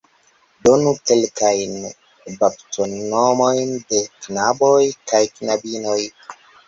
Donu kelkajn baptonomojn de knaboj kaj knabinoj.